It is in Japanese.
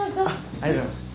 ありがとうございます。